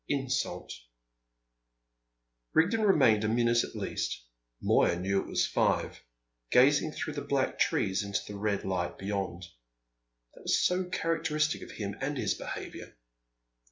III INSULT Rigden remained a minute at least (Moya knew it was five) gazing through the black trees into the red light beyond. That was so characteristic of him and his behaviour!